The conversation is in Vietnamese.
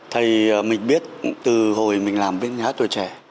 thầy mình biết từ hồi mình làm bên nhà tuổi trẻ